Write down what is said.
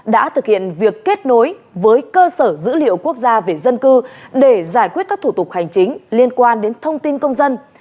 đã thực hiện việc kết nối với cơ sở dữ liệu quốc gia về dân cư để giải quyết các thủ tục hành chính liên quan đến thông tin công dân